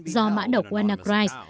do mã đọc wannacry